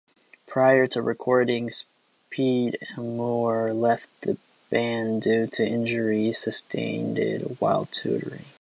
Prior to recordings, Pete Hammoura left the band due to injuries sustained while touring.